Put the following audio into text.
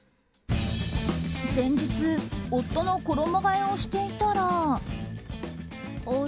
先日、夫の衣替えをしていたら。